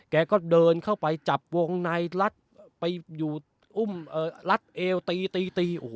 แกก็เดินเข้าไปจับวงในลัดไปอยู่อุ้มรัดเอวตีตีโอ้โห